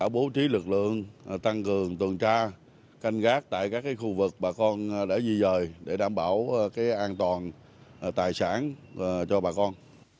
bố trí lực lượng tăng cường tuần tra canh gác tại các khu vực bà con để di dời để đảm bảo an toàn tài sản cho bà con